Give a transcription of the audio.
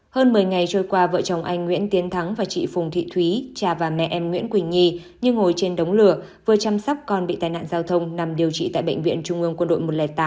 hơn một mươi ngày trôi qua vợ chồng anh nguyễn tiến thắng và chị phùng thị thúy cha và mẹ em nguyễn quỳnh nhì nhưng ngồi trên đống lửa vừa chăm sóc con bị tai nạn giao thông nằm điều trị tại bệnh viện trung ương quân đội một trăm linh tám